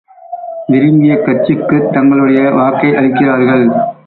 விரும்பிய கட்சிக்குத் தங்களுடைய வாக்கை அளிக்கிறார்கள்.